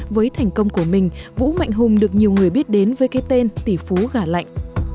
với thành công của mình vũ mạnh hùng được nhiều người biết đến với cái tên tỷ phú gà lạnh